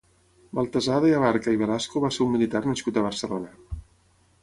Baltazar de Abarca i Velasco va ser un militar nascut a Barcelona.